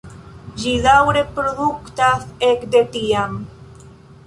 Ĝi daŭre produktas ekde tiam.